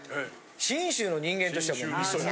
信州の人間としては味噌が。